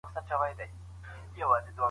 هغه د ټولني د اصلاح له پاره کار کړی و.